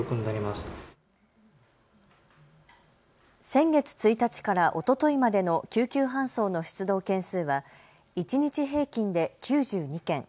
先月１日からおとといまでの救急搬送の出動件数は一日平均で９２件。